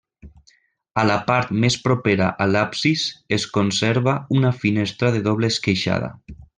A la part més propera a l'absis es conserva una finestra de doble esqueixada.